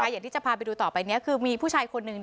อย่างที่จะพาไปดูต่อไปนี้คือมีผู้ชายคนหนึ่ง